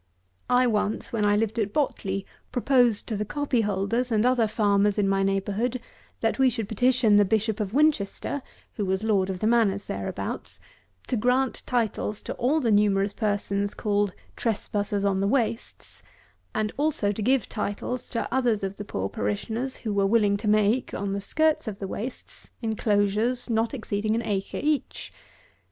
I once, when I lived at Botley, proposed to the copyholders and other farmers in my neighbourhood, that we should petition the Bishop of Winchester, who was lord of the manors thereabouts, to grant titles to all the numerous persons called trespassers on the wastes; and also to give titles to others of the poor parishioners, who were willing to make, on the skirts of the wastes, enclosures not exceeding an acre each.